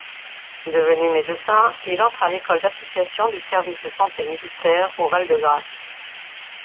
Devenu médecin, il entre à l’École d’application du service de santé militaire au Val-de-Grâce.